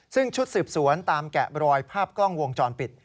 ซึ่งชุดสืบสวนตามแกะรอยภาพกล้องวงจรปิด